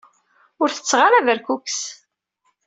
Ur tetteɣ ara berkukes.